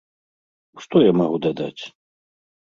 Што я магу дадаць?